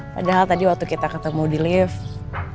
padahal tadi waktu kita ketemu di lift